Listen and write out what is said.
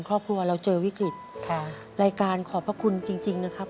ครอบครัวเราเจอวิกฤตค่ะรายการขอบพระคุณจริงจริงนะครับ